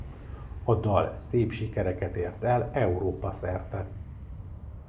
A dalt szép sikereket ér el Európa szerte.